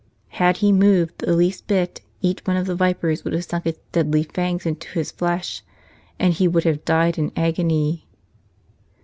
Had he moved the least bit each one of the vipers would have sunk its deadly fangs into his flesh, and he would have died in agony.